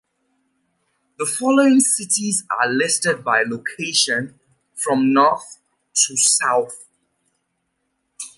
The following cities are listed by location from north to south.